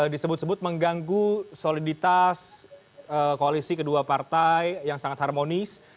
disebut sebut mengganggu soliditas koalisi kedua partai yang sangat harmonis